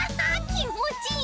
きんもちいい！